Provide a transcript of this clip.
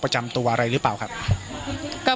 ปกติพี่สาวเราเนี่ยครับเปล่าครับเปล่าครับ